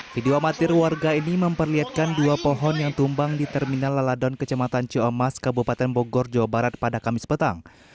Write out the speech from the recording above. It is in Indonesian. video amatir warga ini memperlihatkan dua pohon yang tumbang di terminal leladon kecematan ciomas kabupaten bogor jawa barat pada kamis petang